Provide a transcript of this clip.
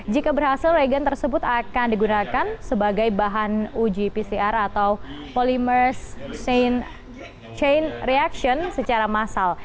jika berhasil regen tersebut akan digunakan sebagai bahan uji pcr atau polimers chain reaction secara massal